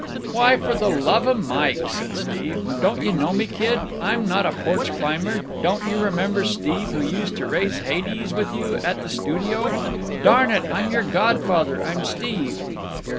"Why, for the love of Mike," said Steve, "don't you know me, kid? I'm not a porch climber. Don't you remember Steve who used to raise Hades with you at the studio? Darn it, I'm your godfather! I'm Steve!"